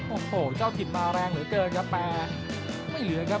โอ้โหเจ้าถิ่นมาแรงเหลือเกินครับแต่ไม่เหลือครับ